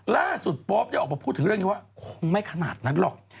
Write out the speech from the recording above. โป๊ปได้ออกมาพูดถึงเรื่องนี้ว่าคงไม่ขนาดนั้นหรอก